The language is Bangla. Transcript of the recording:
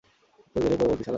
তোই জেলে পঁচে মরবি শালা!